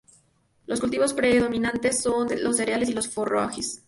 Los cultivos predominantes son los cereales y los forrajes.